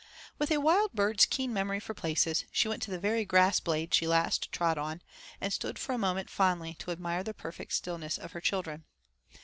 With a wild bird's keen memory for places, she went to the very grass blade she last trod on, and stood for a moment fondly to admire the perfect stillness of her children.